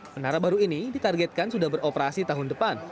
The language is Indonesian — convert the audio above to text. menara baru ini ditargetkan sudah beroperasi tahun depan